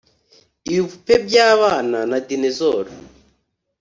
ibipupe byabana na dinosaurs-